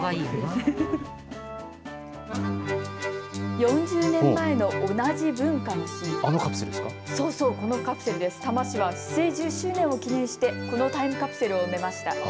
４０年前の同じ文化の日、多摩市は市政１０周年を記念してこのタイムカプセルを埋めました。